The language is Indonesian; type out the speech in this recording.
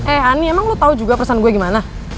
eh ani emang lo tau juga pesan gue gimana